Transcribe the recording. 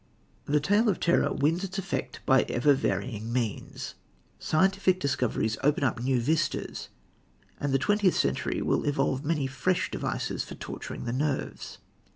The tale of terror wins its effect by ever varying means. Scientific discoveries open up new vistas, and the twentieth century will evolve many fresh devices for torturing the nerves.